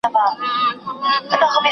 ¬ و گټه، پيل وڅټه.